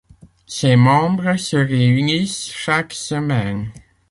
Ses membres se réunissent chaque semaine.